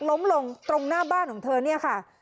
ล้มลงตรงหน้าบ้านของเธอเนี่ยค่ะ